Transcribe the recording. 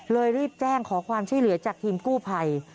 เลยรีบแจ้งขอความที่เหลือจากทีมกู้ไภ